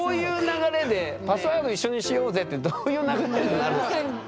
パスワード一緒にしようぜってどういう流れでなるんですか？